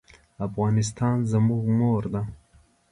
افغانستان زموږ مور ده.